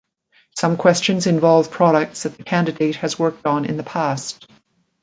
Some questions involve projects that the candidate has worked on in the past.